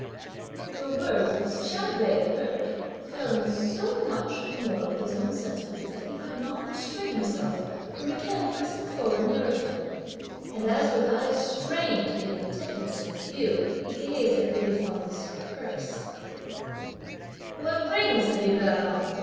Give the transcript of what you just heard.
The words which Chia Jui heard, fell in so much the more with his own sentiments, that he could not restrain himself from again pressing forward nearer to her; and as with eyes strained to give intentness to his view, he gazed at lady Feng's purse: "What rings have you got on?"